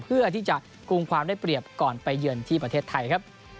เพื่อที่จะกรุงความได้เปรียบก่อนไปเยือนที่ประเทศไทยครับ